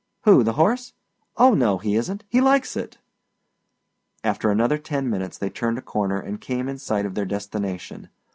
"Who? The horse? Oh, no, he isn't. He likes it!" After another ten minutes they turned a corner and came in sight of their destination.